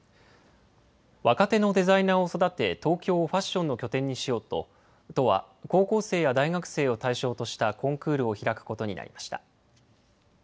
若手のデザイナーを育て、東京をファッションの拠点にしようと、都は、高校生や大学生を対象としたコンクールを開くことになりました。